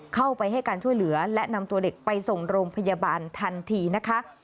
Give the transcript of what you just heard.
เข้าไปให้การช่วยเหลือและนำตัวเด็กไปส่งโรงพยาบาลทันทีนะคะ